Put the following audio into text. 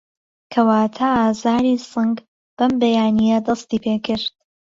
کەواته ئازاری سنگت ئەم بەیانیه دستی پێکرد